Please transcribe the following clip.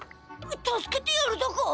助けてやるだか？